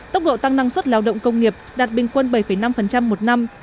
tốc độ tăng năng suất lao động công nghiệp đạt bình quân bảy năm một năm